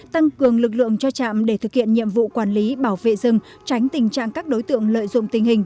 tăng cường lực lượng cho trạm để thực hiện nhiệm vụ quản lý bảo vệ rừng tránh tình trạng các đối tượng lợi dụng tình hình